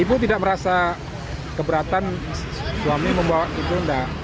ibu tidak merasa keberatan suami membawa itu enggak